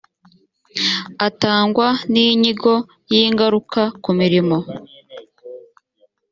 atangwa n inyigo y ingaruka ku mirimo